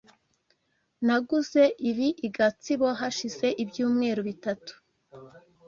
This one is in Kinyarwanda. Naguze ibi i Gasabo hashize ibyumweru bitatu.